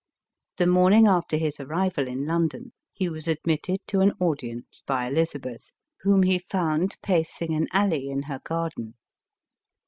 " The morning after his arrival in London, he was ad nitted to an audience by Elizabeth, whom he found pacing an alley in her garden.